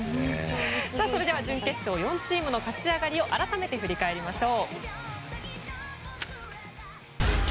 準決勝４チームの勝ち上がり改めて振り返りましょう。